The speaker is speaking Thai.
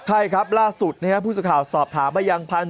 ใช่ครับล่าสุดนะฮะผู้สุข่าวสอบถามว่าอย่างพันธ์